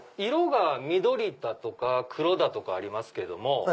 色が緑とか黒とかありますけども。